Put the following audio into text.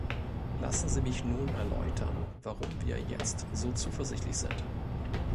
Lassen Sie mich nun erläutern, warum wir jetzt so zuversichtlich sind.